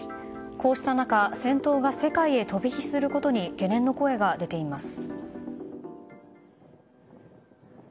こうした中戦闘が世界へ飛び火することに懸念の声が出ています。